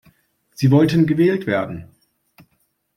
Sie wollten gewählt werden.